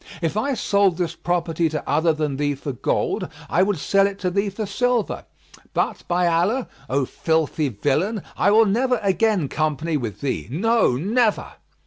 If I sold this property to other than thee for gold, I would sell it to thee for silver; but by Allah, O filthy villain, I will never again company with thee; no, never!"